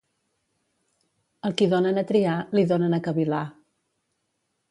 Al qui donen a triar, li donen a cavil·lar.